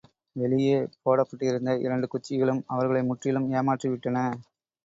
வெளியே போடப்பட்டிருந்த இரண்டு குச்சிகளும் அவர்களை முற்றிலும் ஏமாற்றி விட்டன.